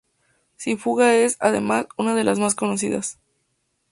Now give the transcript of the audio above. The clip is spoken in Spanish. Su fuga es, además, una de las más conocidas.